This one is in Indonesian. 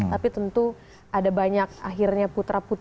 tapi tentu ada banyak akhirnya putra putri